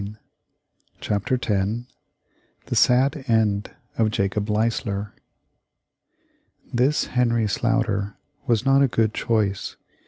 ] CHAPTER X THE SAD END of JACOB LEISLER This Henry Sloughter was not a good choice.